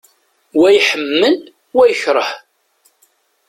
Wa iḥemmel, wa yekreh.